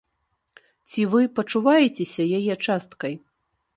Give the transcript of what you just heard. Ці вы пачуваецеся яе часткай?